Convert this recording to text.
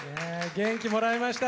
元気もらえました！